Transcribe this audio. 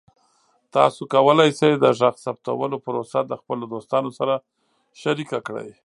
تاسو کولی شئ د غږ ثبتولو پروسه د خپلو دوستانو سره شریکه کړئ.